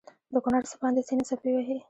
دکونړ څپانده سيند څپې وهي